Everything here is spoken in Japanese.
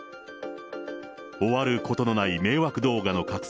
終わることのない迷惑動画の拡散。